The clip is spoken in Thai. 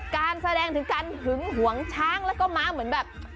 การแสดงถึงการหึงหวงช้างแล้วก็ม้าเหมือนแบบ